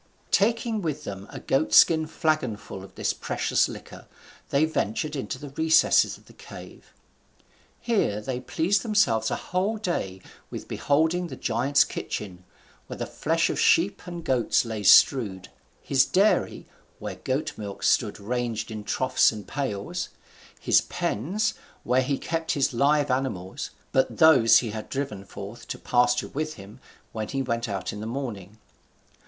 Taking with them a goat skin flagon full of this precious liquor, they ventured into the recesses of the cave. Here they pleased themselves a whole day with beholding the giant's kitchen, where the flesh of sheep and goats lay strewed; his dairy, where goat milk stood ranged in troughs and pails; his pens, where he kept his live animals; but those he had driven forth to pasture with him when he went out in the morning.